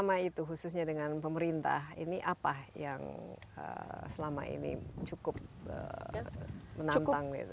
jadi itu khususnya dengan pemerintah ini apa yang selama ini cukup menantang gitu atau